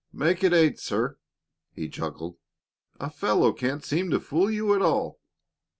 "Make it eight, sir," he chuckled. "A fellow can't seem to fool you at all."